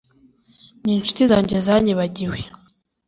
n’incuti zanjye zanyibagiwe